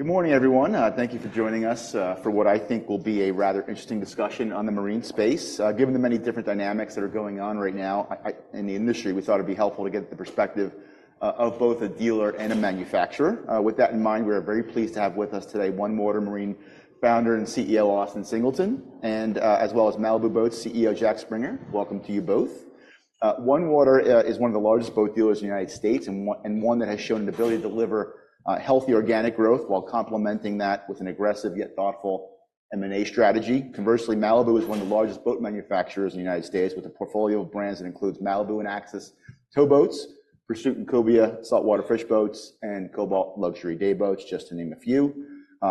Good morning, everyone. Thank you for joining us for what I think will be a rather interesting discussion on the marine space. Given the many different dynamics that are going on right now, in the industry, we thought it'd be helpful to get the perspective of both a dealer and a manufacturer. With that in mind, we are very pleased to have with us today OneWater Marine Founder and CEO, Austin Singleton, and as well as Malibu Boats CEO, Jack Springer. Welcome to you both. OneWater is one of the largest boat dealers in the United States, and one that has shown the ability to deliver healthy organic growth while complementing that with an aggressive yet thoughtful M&A strategy. Conversely, Malibu is one of the largest boat manufacturers in the United States, with a portfolio of brands that includes Malibu and Axis towboats, Pursuit and Cobia saltwater fish boats, and Cobalt luxury day boats, just to name a few.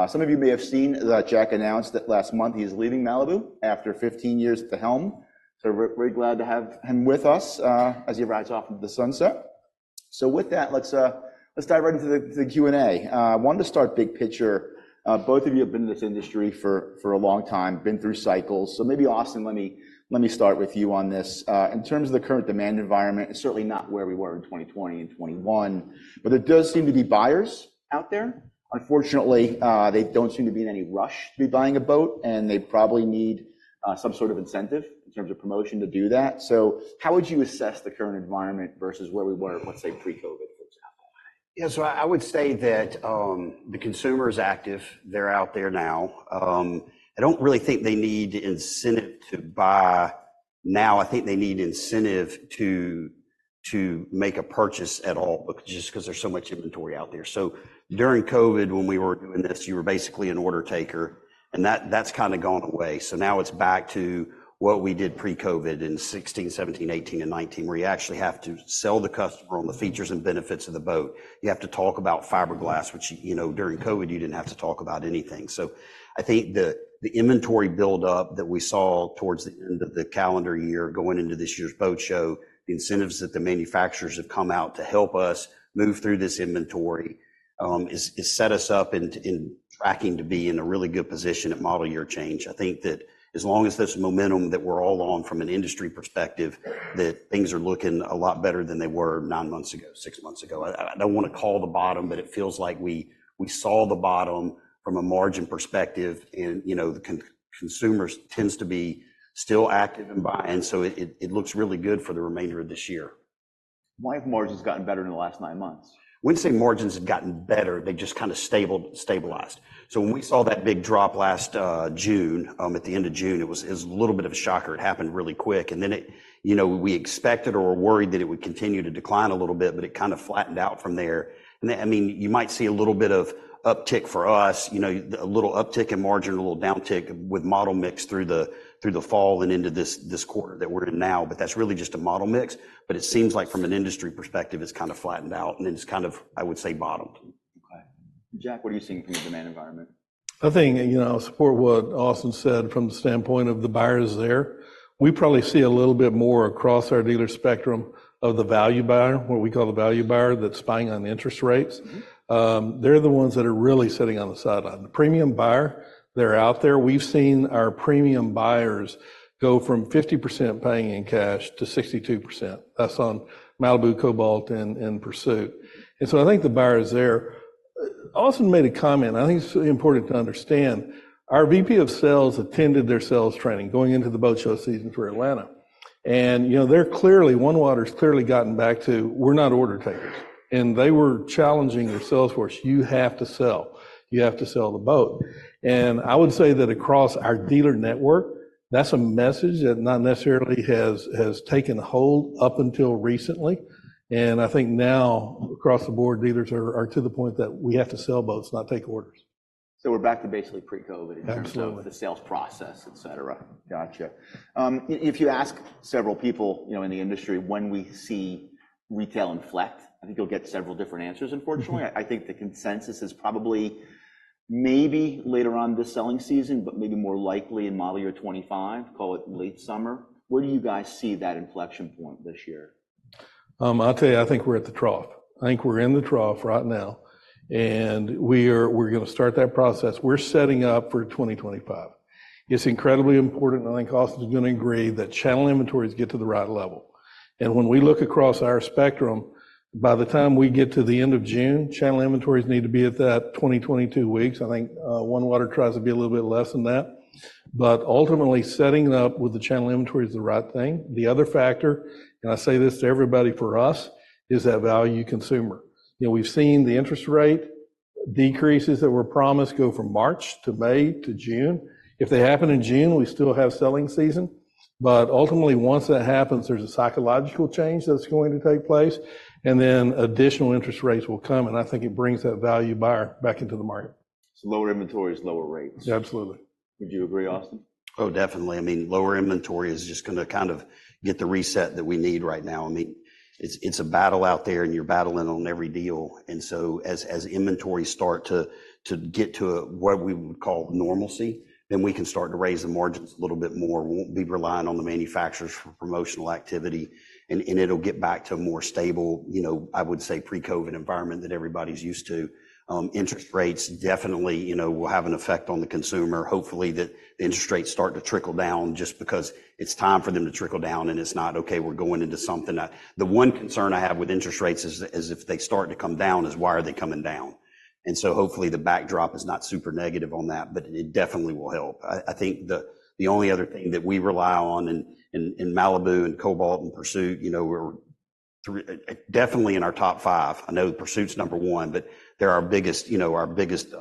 Some of you may have seen that Jack announced that last month he's leaving Malibu after 15 years at the helm. So we're glad to have him with us, as he rides off into the sunset. So with that, let's dive right into the Q&A. I wanted to start big picture. Both of you have been in this industry for a long time, been through cycles. So maybe, Austin, let me start with you on this. In terms of the current demand environment, it's certainly not where we were in 2020 and 2021, but there does seem to be buyers out there. Unfortunately, they don't seem to be in any rush to be buying a boat, and they probably need some sort of incentive in terms of promotion to do that. How would you assess the current environment versus where we were, let's say, pre-COVID, for example? Yeah, so I would say that the consumer is active. They're out there now. I don't really think they need incentive to buy now. I think they need incentive to make a purchase at all, just 'cause there's so much inventory out there. So during COVID, when we were doing this, you were basically an order taker, and that's kind of gone away. So now it's back to what we did pre-COVID in 2016, 2017, 2018, and 2019, where you actually have to sell the customer on the features and benefits of the boat. You have to talk about fiberglass, which, you know, during COVID, you didn't have to talk about anything. So I think the inventory buildup that we saw towards the end of the calendar year, going into this year's boat show, the incentives that the manufacturers have come out to help us move through this inventory has set us up in tracking to be in a really good position at model year change. I think that as long as this momentum that we're all on from an industry perspective, that things are looking a lot better than they were nine months ago, six months ago. I don't want to call the bottom, but it feels like we saw the bottom from a margin perspective and, you know, the consumers tends to be still active in buying, and so it looks really good for the remainder of this year. Why have margins gotten better in the last nine months? I wouldn't say margins have gotten better. They've just kind of stabilized. So when we saw that big drop last June, at the end of June, it was a little bit of a shocker. It happened really quick, and then it... You know, we expected or were worried that it would continue to decline a little bit, but it kind of flattened out from there. And, I mean, you might see a little bit of uptick for us, you know, a little uptick in margin or a little downtick with model mix through the fall and into this quarter that we're in now. But that's really just a model mix. But it seems like from an industry perspective, it's kind of flattened out, and it's kind of, I would say, bottomed. Okay. Jack, what are you seeing from the demand environment? I think, you know, I support what Austin said from the standpoint of the buyers there. We probably see a little bit more across our dealer spectrum of the value buyer, what we call the value buyer, that's buying on interest rates. Mm-hmm. They're the ones that are really sitting on the sideline. The premium buyer, they're out there. We've seen our premium buyers go from 50% paying in cash to 62%. That's on Malibu, Cobalt, and Pursuit. And so I think the buyer is there. Austin made a comment I think it's important to understand. Our VP of sales attended their sales training going into the boat show season for Atlanta, and, you know, they're clearly, OneWater's clearly gotten back to, "We're not order takers." And they were challenging their sales force: "You have to sell. You have to sell the boat." And I would say that across our dealer network, that's a message that not necessarily has taken hold up until recently. And I think now, across the board, dealers are to the point that we have to sell boats, not take orders. We're back to basically pre-COVID- Absolutely... in terms of the sales process, et cetera. Gotcha. If you ask several people, you know, in the industry when we see retail inflect, I think you'll get several different answers, unfortunately. Mm-hmm. I think the consensus is probably maybe later on this selling season, but maybe more likely in model year 2025, call it late summer. Where do you guys see that inflection point this year? I'll tell you, I think we're at the trough. I think we're in the trough right now, and we're gonna start that process. We're setting up for 2025. It's incredibly important, and I think Austin is gonna agree, that channel inventories get to the right level. And when we look across our spectrum, by the time we get to the end of June, channel inventories need to be at that 22 weeks. I think OneWater tries to be a little bit less than that, but ultimately, setting up with the channel inventory is the right thing. The other factor, and I say this to everybody, for us, is that value consumer. You know, we've seen the interest rate decreases that were promised go from March to May to June. If they happen in June, we still have selling season, but ultimately, once that happens, there's a psychological change that's going to take place, and then additional interest rates will come, and I think it brings that value buyer back into the market. Lower inventory is lower rates. Absolutely. Would you agree, Austin? Oh, definitely. I mean, lower inventory is just gonna kind of get the reset that we need right now. I mean, it's a battle out there, and you're battling on every deal. And so as inventories start to get to what we would call normalcy, then we can start to raise the margins a little bit more. We won't be relying on the manufacturers for promotional activity, and it'll get back to a more stable, you know, I would say, pre-COVID environment that everybody's used to. Interest rates definitely, you know, will have an effect on the consumer. Hopefully, the interest rates start to trickle down just because it's time for them to trickle down, and it's not, "Okay, we're going into something." The one concern I have with interest rates is if they start to come down, why are they coming down? And so hopefully, the backdrop is not super negative on that, but it definitely will help. I think the only other thing that we rely on in Malibu and Cobalt and Pursuit, you know, we're three, definitely in our top five. I know Pursuit's number one, but they're our biggest, you know, our biggest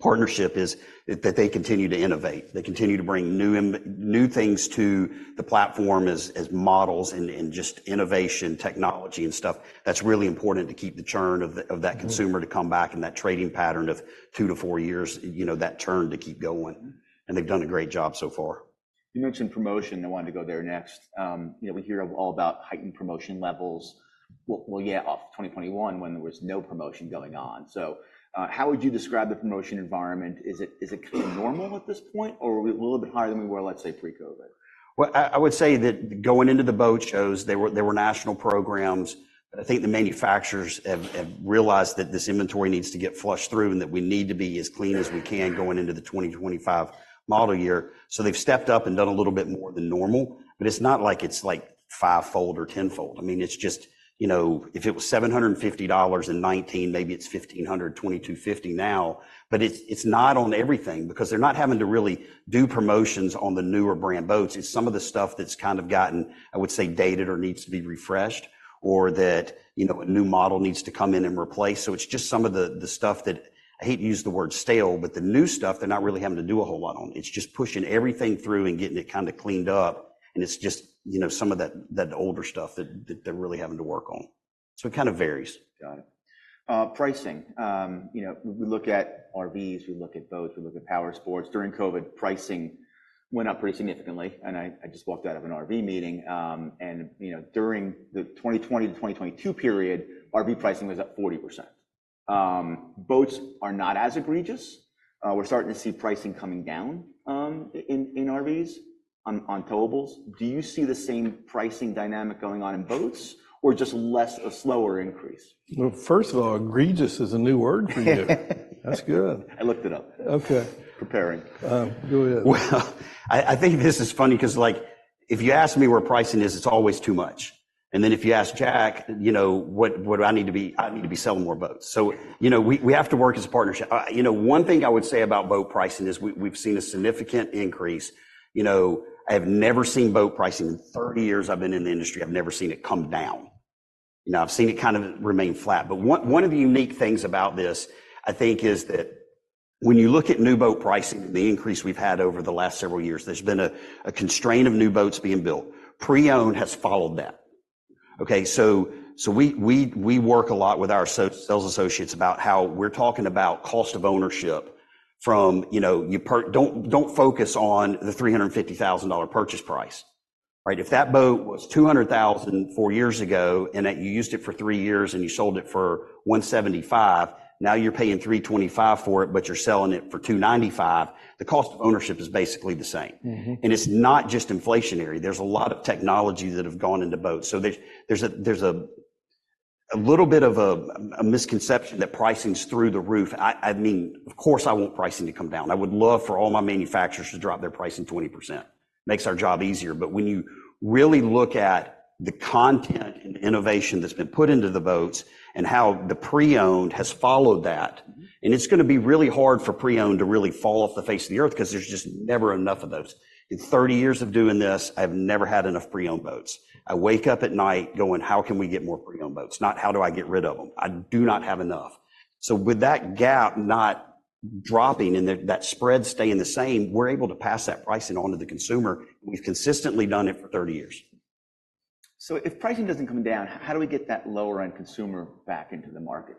partnership is that they continue to innovate. They continue to bring new things to the platform as models and just innovation, technology, and stuff. That's really important to keep the churn of that- Mm-hmm consumer to come back, and that trading pattern of two to four years, you know, that churn to keep going. Mm. They've done a great job so far. You mentioned promotion. I wanted to go there next. You know, we hear all about heightened promotion levels. Well, well, yeah, off 2021, when there was no promotion going on. So, how would you describe the promotion environment? Is it kind of normal at this point, or are we a little bit higher than we were, let's say, pre-COVID? Well, I would say that going into the boat shows, there were national programs. I think the manufacturers have realized that this inventory needs to get flushed through, and that we need to be as clean as we can going into the 2025 model year. So they've stepped up and done a little bit more than normal, but it's not like it's fivefold or tenfold. I mean, it's just, you know, if it was $750 in 2019, maybe it's $1,500, $2,250 now, but it's not on everything, because they're not having to really do promotions on the newer brand boats. It's some of the stuff that's kind of gotten, I would say, dated or needs to be refreshed, or that, you know, a new model needs to come in and replace. So it's just some of the, the stuff that, I hate to use the word stale, but the new stuff, they're not really having to do a whole lot on. It's just pushing everything through and getting it kind of cleaned up, and it's just, you know, some of that, that older stuff that, that they're really having to work on. So it kind of varies. Got it. Pricing. You know, we look at RVs, we look at boats, we look at power sports. During COVID, pricing went up pretty significantly, and I just walked out of an RV meeting, and you know, during the 2020 to 2022 period, RV pricing was up 40%. Boats are not as egregious. We're starting to see pricing coming down in RVs, on towables. Do you see the same pricing dynamic going on in boats, or just less a slower increase? Well, first of all, egregious is a new word for you. That's good. I looked it up. Okay. Preparing. Go ahead. Well, I think this is funny, 'cause, like, if you ask me where pricing is, it's always too much. And then if you ask Jack, you know, what do I need to be...? I need to be selling more boats. So, you know, we have to work as a partnership. You know, one thing I would say about boat pricing is we've seen a significant increase. You know, I have never seen boat pricing, in 30 years I've been in the industry, I've never seen it come down. You know, I've seen it kind of remain flat. But one of the unique things about this, I think, is that when you look at new boat pricing, the increase we've had over the last several years, there's been a constraint of new boats being built. Pre-owned has followed that. Okay, so we work a lot with our sales associates about how we're talking about cost of ownership from, you know, purchase. Don't focus on the $350,000 purchase price, right? If that boat was $200,000 four years ago, and you used it for three years, and you sold it for $175,000, now you're paying $325,000 for it, but you're selling it for $295,000, the cost of ownership is basically the same. Mm-hmm. It's not just inflationary. There's a lot of technology that have gone into boats. So there's a little bit of a misconception that pricing's through the roof. I mean, of course, I want pricing to come down. I would love for all my manufacturers to drop their pricing 20%. Makes our job easier. But when you really look at the content and innovation that's been put into the boats and how the pre-owned has followed that, and it's gonna be really hard for pre-owned to really fall off the face of the earth, 'cause there's just never enough of those. In 30 years of doing this, I've never had enough pre-owned boats. I wake up at night going, "How can we get more pre-owned boats?" Not, "How do I get rid of them?" I do not have enough. So with that gap not dropping and that spread staying the same, we're able to pass that pricing on to the consumer. We've consistently done it for 30 years. If pricing doesn't come down, how do we get that lower-end consumer back into the market?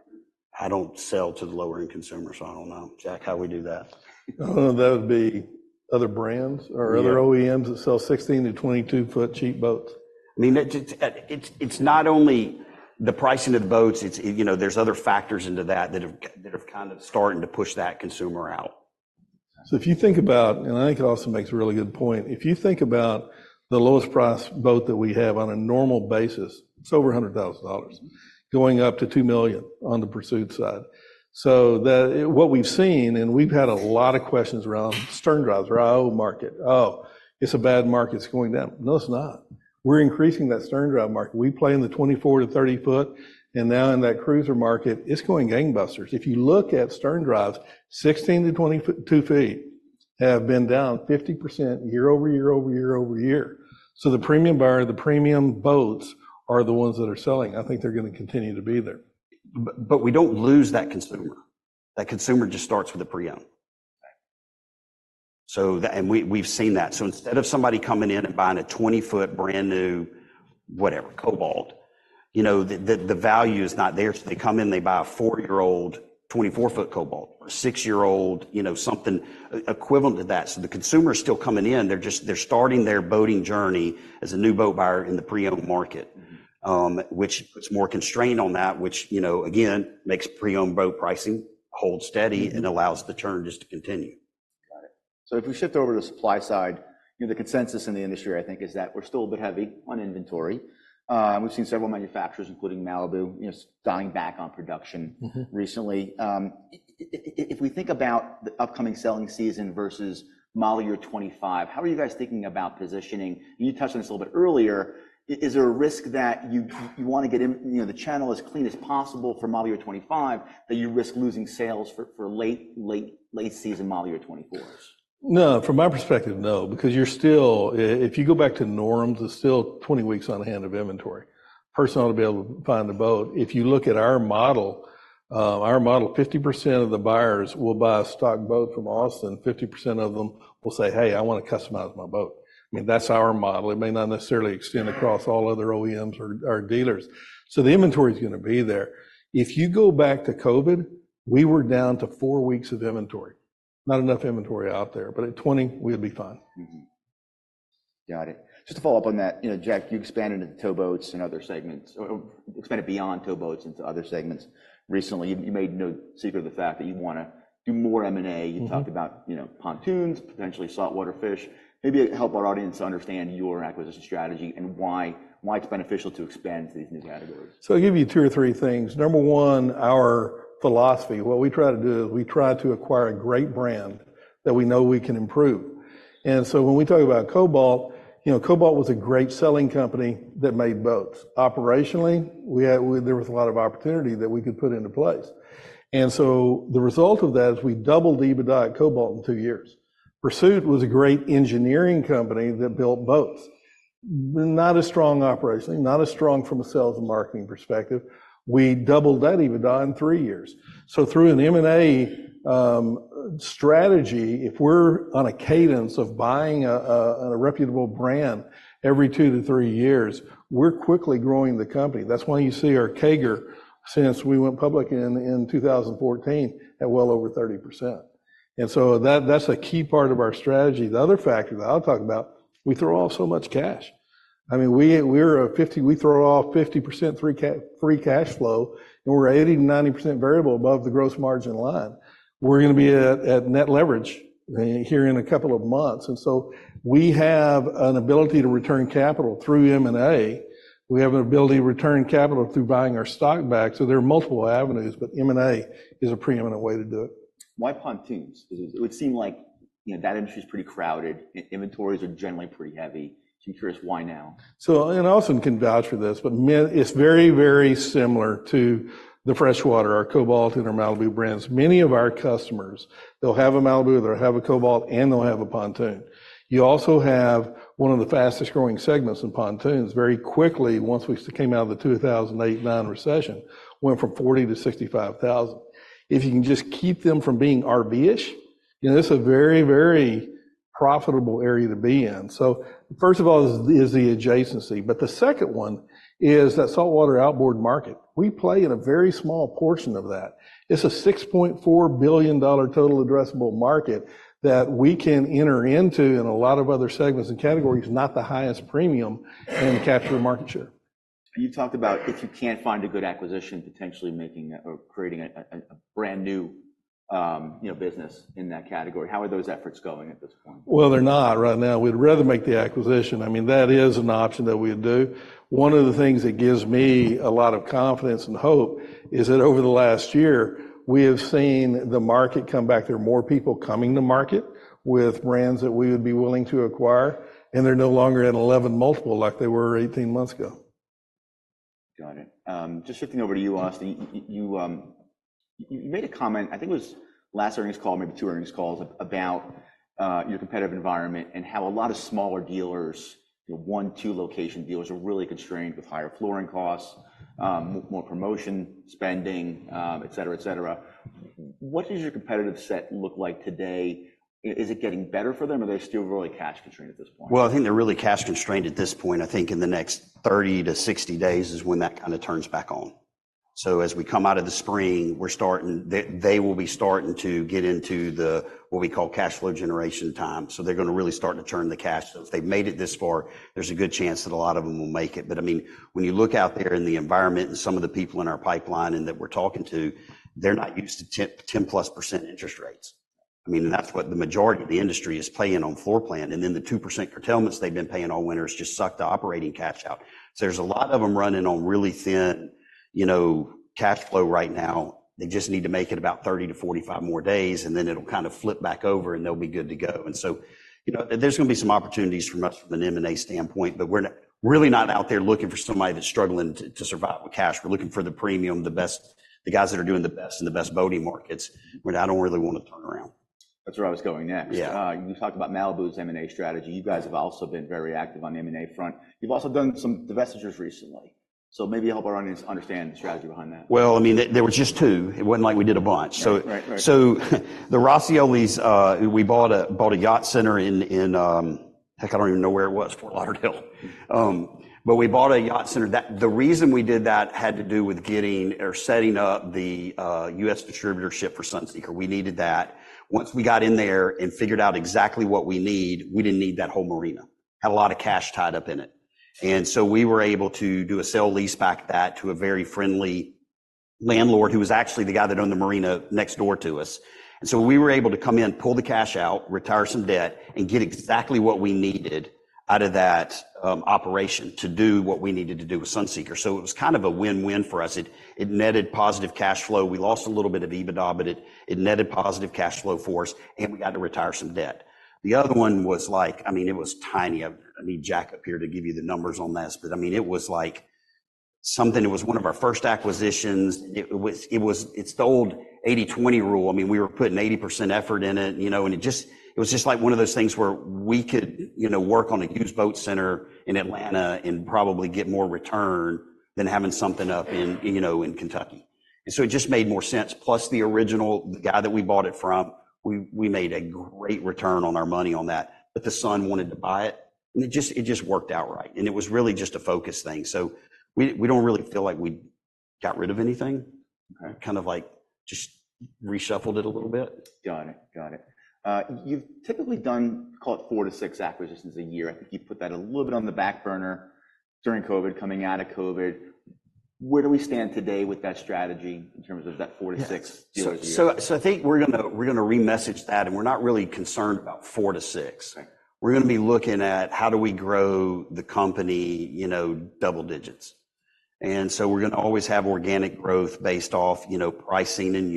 I don't sell to the lower-end consumer, so I don't know. Jack, how we do that? That would be other brands- Yeah... or other OEMs that sell 16-22 ft cheap boats. I mean, it's just, it's not only the pricing of the boats, it's, you know, there's other factors into that, that have kind of starting to push that consumer out. So if you think about, and I think Austin makes a really good point, if you think about the lowest priced boat that we have on a normal basis, it's over $100,000, going up to $2 million on the Pursuit side. So the, what we've seen, and we've had a lot of questions around stern drives, our I/O market. "Oh, it's a bad market. It's going down." No, it's not. We're increasing that stern drive market. We play in the 24-30 ft, and now in that cruiser market, it's going gangbusters. If you look at stern drives, 16-22 ft, have been down 50% year-over-year, year-over-year, year-over-year. So the premium buyer, the premium boats, are the ones that are selling. I think they're gonna continue to be there. But we don't lose that consumer. That consumer just starts with a pre-owned. Right. And we've seen that. So instead of somebody coming in and buying a 20 ft brand-new, whatever, Cobalt, you know, the value is not there. So they come in, they buy a four-year-old, 24 ft Cobalt or a six-year-old, you know, something equivalent to that. So the consumer's still coming in, they're just starting their boating journey as a new boat buyer in the pre-owned market. Mm-hmm. which puts more constraint on that, which, you know, again, makes pre-owned boat pricing hold steady- Mm-hmm... and allows the churn just to continue. Got it. So if we shift over to the supply side, you know, the consensus in the industry, I think, is that we're still a bit heavy on inventory. We've seen several manufacturers, including Malibu, you know, dialing back on production- Mm-hmm... recently. If we think about the upcoming selling season versus model year 2025, how are you guys thinking about positioning? You touched on this a little bit earlier. Is there a risk that you wanna get in, you know, the channel as clean as possible for model year 2025, that you risk losing sales for late, late, late season model year 2024s?... No, from my perspective, no, because you're still, if you go back to norms, it's still 20 weeks on hand of inventory. A person ought to be able to find a boat. If you look at our model, our model, 50% of the buyers will buy a stock boat from Austin. 50% of them will say, "Hey, I want to customize my boat." I mean, that's our model. It may not necessarily extend across all other OEMs or dealers. So the inventory is gonna be there. If you go back to COVID, we were down to four weeks of inventory. Not enough inventory out there, but at 20, we'll be fine. Mm-hmm. Got it. Just to follow up on that, you know, Jack, you've expanded into towboats and other segments, or expanded beyond towboats into other segments. Recently, you made no secret of the fact that you wanna do more M&A. Mm-hmm. You've talked about, you know, pontoons, potentially saltwater fish. Maybe help our audience understand your acquisition strategy and why, why it's beneficial to expand to these new categories. So I'll give you two or three things. Number one, our philosophy. What we try to do is we try to acquire a great brand that we know we can improve. And so when we talk about Cobalt, you know, Cobalt was a great selling company that made boats. Operationally, there was a lot of opportunity that we could put into place. And so the result of that is we doubled EBITDA at Cobalt in two years. Pursuit was a great engineering company that built boats. Not as strong operationally, not as strong from a sales and marketing perspective. We doubled that EBITDA in three years. So through an M&A strategy, if we're on a cadence of buying a reputable brand every two to three years, we're quickly growing the company. That's why you see our CAGR, since we went public in 2014, at well over 30%. And so that, that's a key part of our strategy. The other factor that I'll talk about, we throw off so much cash. I mean, we're a 50-- we throw off 50% free cash flow, and we're 80%-90% variable above the gross margin line. We're gonna be at net leverage here in a couple of months, and so we have an ability to return capital through M&A. We have an ability to return capital through buying our stock back, so there are multiple avenues, but M&A is a preeminent way to do it. Why pontoons? It would seem like, you know, that industry is pretty crowded, inventories are generally pretty heavy. So I'm curious, why now? So, and Austin can vouch for this, but it's very, very similar to the freshwater, our Cobalt and our Malibu brands. Many of our customers, they'll have a Malibu, they'll have a Cobalt, and they'll have a pontoon. You also have one of the fastest-growing segments in pontoons. Very quickly, once we came out of the 2008-2009 recession, went from 40,000 to 65,000. If you can just keep them from being RV-ish, you know, this is a very, very profitable area to be in. So first of all, is the adjacency, but the second one is that saltwater outboard market. We play in a very small portion of that. It's a $6.4 billion total addressable market that we can enter into in a lot of other segments and categories, not the highest premium, and capture the market share. You talked about if you can't find a good acquisition, potentially making or creating a brand new, you know, business in that category. How are those efforts going at this point? Well, they're not right now. We'd rather make the acquisition. I mean, that is an option that we'd do. One of the things that gives me a lot of confidence and hope is that over the last year, we have seen the market come back. There are more people coming to market with brands that we would be willing to acquire, and they're no longer at 11x multiple like they were 18 months ago. Got it. Just shifting over to you, Austin. You made a comment, I think it was last earnings call, maybe two earnings calls, about your competitive environment and how a lot of smaller dealers, you know, one, two location dealers, are really constrained with higher floor plan costs, more promotion spending, et cetera, et cetera. What does your competitive set look like today? Is it getting better for them, or are they still really cash constrained at this point? Well, I think they're really cash constrained at this point. I think in the next 30-60 days is when that kind of turns back on. So as we come out of the spring, we're starting... They will be starting to get into the, what we call cash flow generation time. So they're gonna really start to turn the cash flows. If they've made it this far, there's a good chance that a lot of them will make it. But I mean, when you look out there in the environment and some of the people in our pipeline and that we're talking to, they're not used to 10, 10%+ interest rates. I mean, and that's what the majority of the industry is paying on floor plan, and then the 2% curtailments they've been paying all winter has just sucked the operating cash out. So there's a lot of them running on really thin, you know, cash flow right now. They just need to make it about 30-45 more days, and then it'll kind of flip back over, and they'll be good to go. And so, you know, there's gonna be some opportunities for us from an M&A standpoint, but we're really not out there looking for somebody that's struggling to, to survive with cash. We're looking for the premium, the best, the guys that are doing the best in the best boating markets, which I don't really wanna turn around. That's where I was going next. Yeah. You talked about Malibu's M&A strategy. You guys have also been very active on the M&A front. You've also done some divestitures recently, so maybe help our audience understand the strategy behind that. Well, I mean, there was just two. It wasn't like we did a bunch. Right, right, right. So, the Rosciolis, we bought a yacht center in Fort Lauderdale. Heck, I don't even know where it was. But we bought a yacht center. That, the reason we did that had to do with getting or setting up the U.S. distributorship for Sunseeker. We needed that. Once we got in there and figured out exactly what we need, we didn't need that whole marina. Had a lot of cash tied up in it. And so we were able to do a sale-leaseback that to a very friendly landlord, who was actually the guy that owned the marina next door to us. And so we were able to come in, pull the cash out, retire some debt, and get exactly what we needed out of that operation to do what we needed to do with Sunseeker. So it was kind of a win-win for us. It netted positive cash flow. We lost a little bit of EBITDA, but it netted positive cash flow for us, and we got to retire some debt. The other one was like, I mean, it was tiny. I need Jack up here to give you the numbers on this, but I mean, it was like something that was one of our first acquisitions. It was. It's the old 80/20 rule. I mean, we were putting 80% effort in it, you know, and it just, it was just like one of those things where we could, you know, work on a used boat center in Atlanta and probably get more return than having something up in, you know, in Kentucky. And so it just made more sense. Plus, the original, the guy that we bought it from, we made a great return on our money on that, but the son wanted to buy it, and it just worked out right. And it was really just a focus thing. So we don't really feel like we got rid of anything. Okay. Kind of like just reshuffled it a little bit. Got it. Got it. You've typically done, call it four to six acquisitions a year. I think you've put that a little bit on the back burner during COVID, coming out of COVID. Where do we stand today with that strategy in terms of that four to six deals a year? So, I think we're gonna re-message that, and we're not really concerned about four to six. Right. We're gonna be looking at how do we grow the company, you know, double digits. And so we're gonna always have organic growth based off, you know, pricing and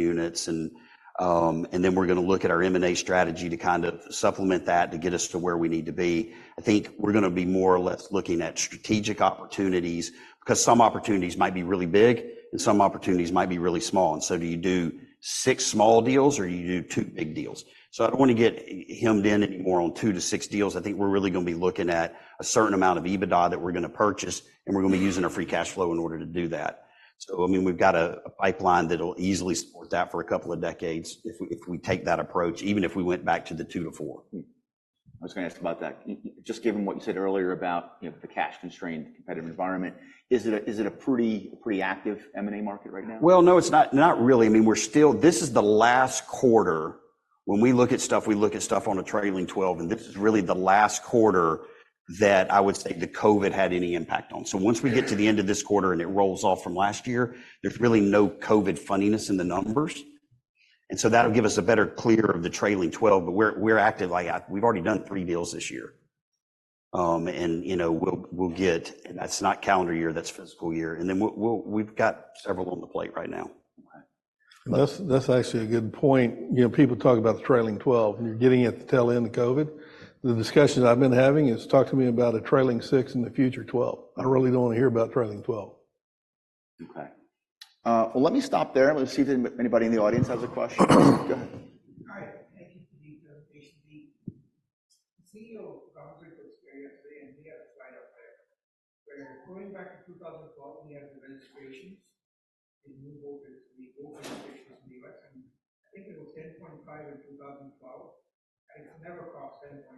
units, and then we're gonna look at our M&A strategy to kind of supplement that to get us to where we need to be. I think we're gonna be more or less looking at strategic opportunities, 'cause some opportunities might be really big, and some opportunities might be really small, and so do you do six small deals, or you do two big deals? So I don't want to get hemmed in anymore on two to six deals. I think we're really gonna be looking at a certain amount of EBITDA that we're gonna purchase, and we're gonna be using our free cash flow in order to do that. So, I mean, we've got a pipeline that'll easily support that for a couple of decades if we take that approach, even if we went back to the two to four. I was gonna ask about that. Just given what you said earlier about, you know, the cash-constrained competitive environment, is it a, is it a pretty proactive M&A market right now? Well, no, it's not, not really. I mean, we're still. This is the last quarter. When we look at stuff, we look at stuff on a trailing 12, and this is really the last quarter that I would say that COVID had any impact on. So once we get to the end of this quarter, and it rolls off from last year, there's really no COVID funniness in the numbers. And so that'll give us a better clear of the trailing 12, but we're active. Like, we've already done three deals this year, and, you know, we'll get. And that's not calendar year, that's fiscal year, and then we'll, we've got several on the plate right now. Right. That's actually a good point. You know, people talk about the trailing 12, and you're getting at the tail end of COVID. The discussions I've been having, is talk to me about a trailing six and the future 12. I really don't want to hear about trailing 12. Okay. Well, let me stop there and let's see if anybody in the audience has a question. Go ahead. Hi, thank you for the presentation. The CEO of... yesterday, and we are quite upset. Going back to 2012, we had the registrations, the new boat, the boat registrations in the U.S., and I think it was 10.5 in 2012, and it's never crossed 10.5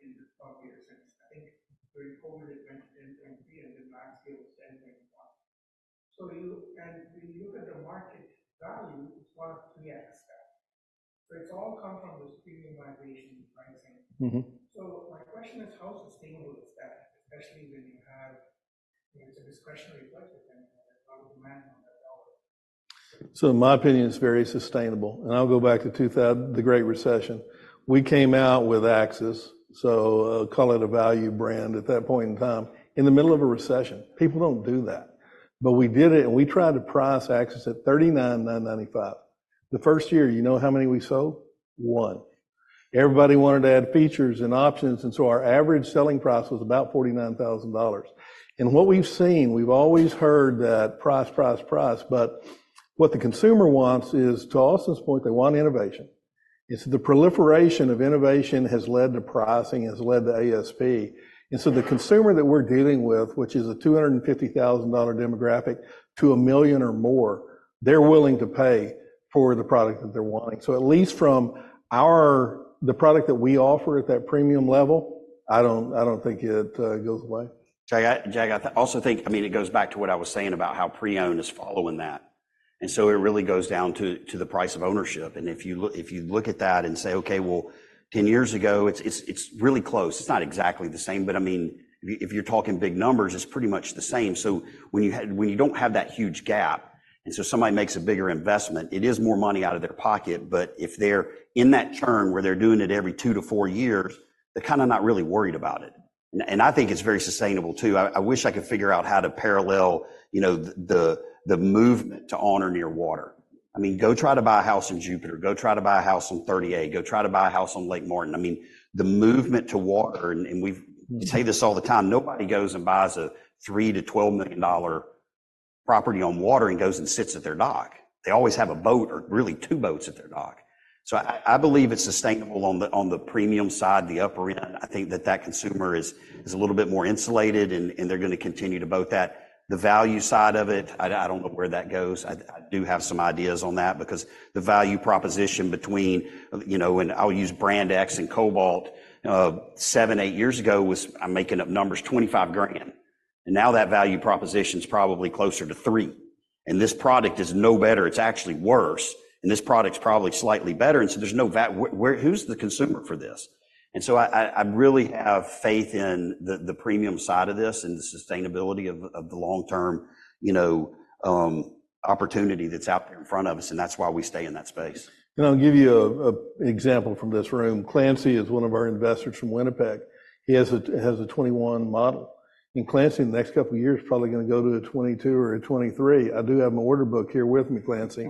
in the 12 years since. I think during COVID, it went to 10.3, and the last year was 10.1. So you, and when you look at the market value, it's about 3x that. So it's all come from this premium migration pricing. Mm-hmm. My question is, how sustainable is that, especially when you have, you know, it's a discretionary budget and probably demand on the dollar? So in my opinion, it's very sustainable. And I'll go back to 2000—the Great Recession. We came out with Axis, so call it a value brand at that point in time, in the middle of a recession. People don't do that. But we did it, and we tried to price Axis at $39,995. The first year, you know how many we sold? One. Everybody wanted to add features and options, and so our average selling price was about $49,000. And what we've seen, we've always heard that price, price, price, but what the consumer wants is, to Austin's point, they want innovation. It's the proliferation of innovation has led to pricing, has led to ASP. The consumer that we're dealing with, which is a $250,000 demographic to $1 million or more, they're willing to pay for the product that they're wanting. So at least the product that we offer at that premium level, I don't think it goes away. Jack, Jack, I also think, I mean, it goes back to what I was saying about how pre-owned is following that. And so it really goes down to the price of ownership. And if you look at that and say, "Okay, well, 10 years ago..." It's really close. It's not exactly the same, but I mean, if you're talking big numbers, it's pretty much the same. So when you don't have that huge gap, and so somebody makes a bigger investment, it is more money out of their pocket, but if they're in that churn where they're doing it every two to four years, they're kinda not really worried about it. And I think it's very sustainable too. I wish I could figure out how to parallel, you know, the movement to on or near water. I mean, go try to buy a house in Jupiter. Go try to buy a house on 30A. Go try to buy a house on Lake Martin. I mean, the movement to water, and we've—we say this all the time, nobody goes and buys a $3 million-$12 million property on water and goes and sits at their dock. They always have a boat or really two boats at their dock. So I believe it's sustainable on the premium side, the upper end. I think that that consumer is a little bit more insulated, and they're gonna continue to boat that. The value side of it, I don't know where that goes. I do have some ideas on that because the value proposition between, you know, and I'll use brand X and Cobalt seven, eight years ago, was. I'm making up numbers, $25,000, and now that value proposition is probably closer to $3,000. And this product is no better, it's actually worse, and this product is probably slightly better, and so there's no, where, who's the consumer for this? And so I really have faith in the premium side of this and the sustainability of the long-term, you know, opportunity that's out there in front of us, and that's why we stay in that space. I'll give you an example from this room. Clancy is one of our investors from Winnipeg. He has a 2021 model. Clancy, in the next couple of years, is probably gonna go to a 2022 or a 2023. I do have my order book here with me, Clancy.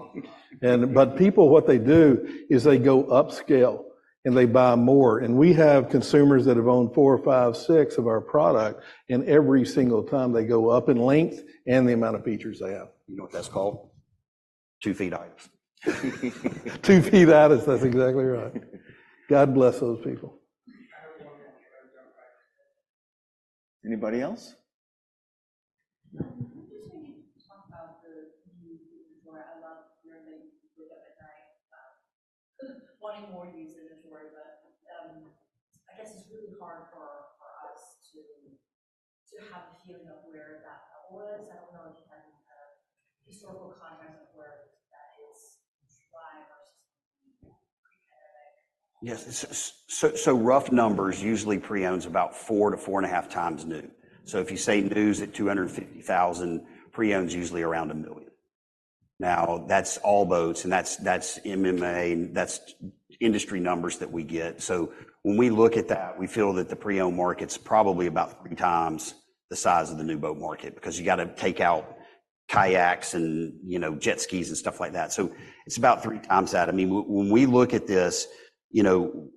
But people, what they do is they go upscale... and they buy more. We have consumers that have owned four, five, six of our product, and every single time they go up in length and the amount of features they have. You know what that's called? Two free items. Two free items, that's exactly right. God bless those people. I don't want to give up. Anybody else? I'm just thinking, talk about the new, where I love hearing you wake up at night wanting more used inventory. But I guess it's really hard for, for us to, to have a feeling of where that was. I don't know if you have any historical context of where that is, why versus- Yes, so rough numbers, usually pre-owned is about 4x-4.5x new. So if you say new's at $250,000, pre-owned's usually around $1 million. Now, that's all boats, and that's NMMA, that's industry numbers that we get. So when we look at that, we feel that the pre-owned market's probably about 3x the size of the new boat market, because you gotta take out kayaks and, you know, jet skis and stuff like that. So it's about 3x that. I mean, when we look at this, you know,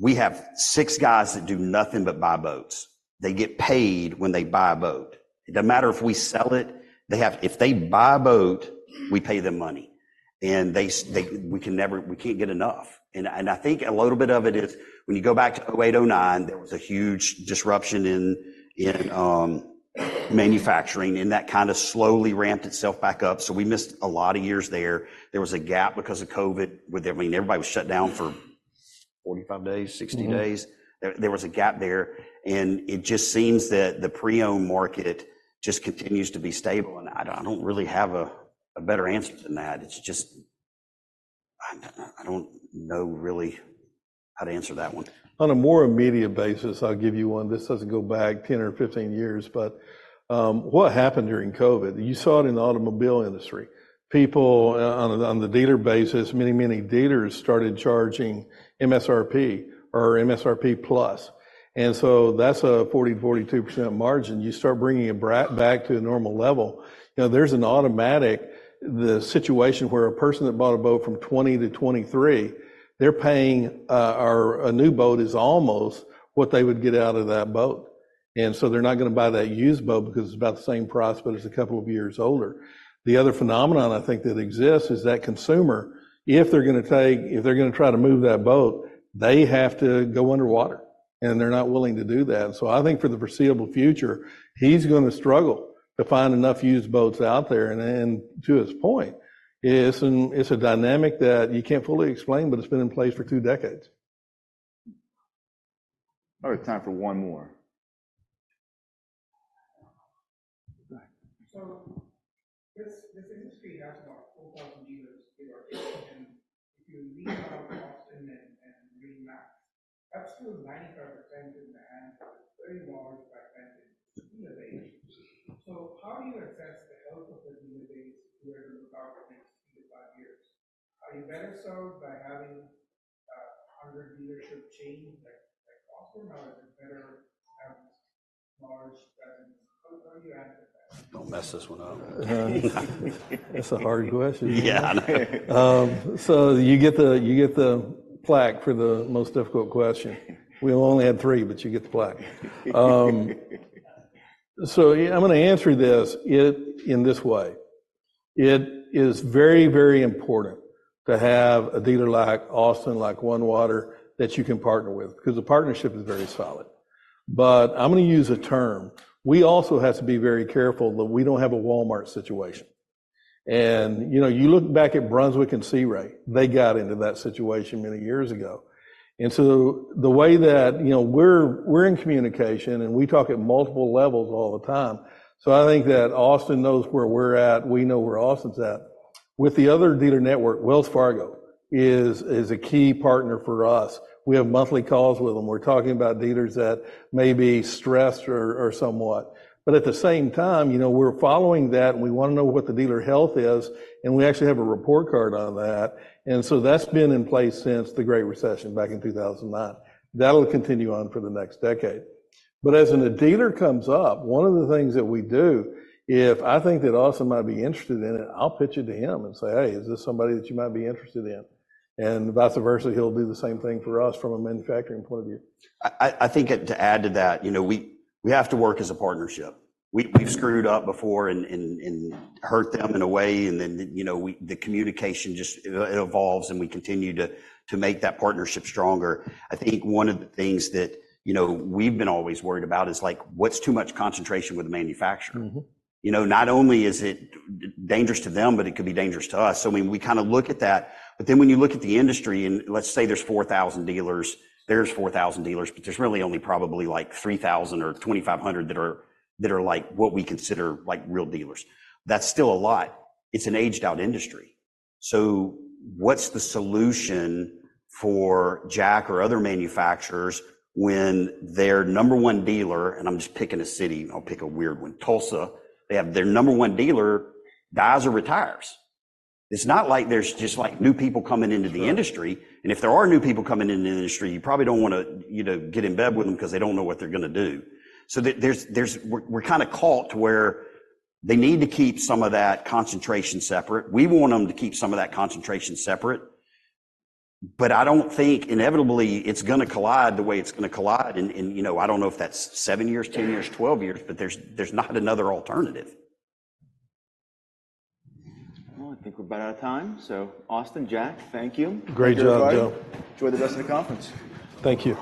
we have six guys that do nothing but buy boats. They get paid when they buy a boat. It doesn't matter if we sell it, they have. If they buy a boat, we pay them money. And they, we can never get enough. I think a little bit of it is when you go back to 2008, 2009, there was a huge disruption in manufacturing, and that kind of slowly ramped itself back up, so we missed a lot of years there. There was a gap because of COVID, with everybody, I mean, everybody was shut down for 45 days, 60 days. Mm-hmm. There was a gap there, and it just seems that the pre-owned market just continues to be stable. And I don't really have a better answer than that. It's just... I don't know really how to answer that one. On a more immediate basis, I'll give you one. This doesn't go back 10 or 15 years, but what happened during COVID? You saw it in the automobile industry. People on the dealer basis, many, many dealers started charging MSRP or MSRP plus, and so that's a 40%-42% margin. You start bringing it back to a normal level, you know, there's an automatic situation where a person that bought a boat from 2020-2023, they're paying or a new boat is almost what they would get out of that boat. And so they're not gonna buy that used boat because it's about the same price, but it's a couple of years older. The other phenomenon I think that exists is that consumer, if they're gonna take- if they're gonna try to move that boat, they have to go underwater, and they're not willing to do that. So I think for the foreseeable future, he's gonna struggle to find enough used boats out there. And then, to his point, it's an, it's a dynamic that you can't fully explain, but it's been in place for two decades. All right, time for one more. So this industry has about 4,000 dealers in our nation. If you leave out Austin and MarineMax, up to 90% of the hands are very large by banking innovations. So how do you assess the health of the innovative where the government is in five years? Are you better so by having a hundred dealership chains, like Austin, or is it better to have large banks? How do you answer that? Don't mess this one up. It's a hard question. Yeah, I know. So you get the, you get the plaque for the most difficult question. We've only had three, but you get the plaque. So I'm gonna answer this in this way: It is very, very important to have a dealer like Austin, like OneWater, that you can partner with, because the partnership is very solid. But I'm gonna use a term. We also have to be very careful that we don't have a Walmart situation. And, you know, you look back at Brunswick and Sea Ray, they got into that situation many years ago. And so the way that... You know, we're in communication, and we talk at multiple levels all the time. So I think that Austin knows where we're at, we know where Austin's at. With the other dealer network, Wells Fargo is a key partner for us. We have monthly calls with them. We're talking about dealers that may be stressed or somewhat. But at the same time, you know, we're following that, and we want to know what the dealer health is, and we actually have a report card on that, and so that's been in place since the Great Recession back in 2009. That'll continue on for the next decade. But as a new dealer comes up, one of the things that we do, if I think that Austin might be interested in it, I'll pitch it to him and say, "Hey, is this somebody that you might be interested in?" And vice versa, he'll do the same thing for us from a manufacturing point of view. I think to add to that, you know, we have to work as a partnership. We've screwed up before and hurt them in a way, and then, you know, the communication just evolves, and we continue to make that partnership stronger. I think one of the things that, you know, we've been always worried about is, like, what's too much concentration with the manufacturer? Mm-hmm. You know, not only is it dangerous to them, but it could be dangerous to us. So, I mean, we kind of look at that. But then when you look at the industry, and let's say there's 4,000 dealers, there's 4,000 dealers, but there's really only probably, like, 3,000 or 2,500 that are, that are, like, what we consider, like, real dealers. That's still a lot. It's an aged-out industry. So what's the solution for Jack or other manufacturers when their number one dealer, and I'm just picking a city, I'll pick a weird one, Tulsa, they have their number one dealer dies or retires? It's not like there's just, like, new people coming into the industry. Sure. And if there are new people coming into the industry, you probably don't want to, you know, get in bed with them because they don't know what they're gonna do. So there's we're kind of caught to where they need to keep some of that concentration separate. We want them to keep some of that concentration separate, but I don't think inevitably it's gonna collide the way it's gonna collide. And you know, I don't know if that's seven years, 10 years, 12 years, but there's not another alternative. Well, I think we're about out of time. So Austin, Jack, thank you. Great job, Joe. Enjoy the rest of the conference. Thank you.